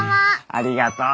ありがとう。